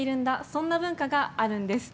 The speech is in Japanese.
そんな文化があるんです。